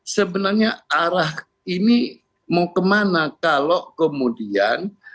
sebenarnya arah ini mau kemana kalau kemudian